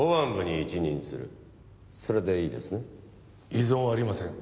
異存ありません。